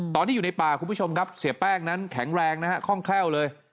อยู่ในป่าคุณผู้ชมครับเสียแป้งนั้นแข็งแรงนะฮะคล่องแคล่วเลย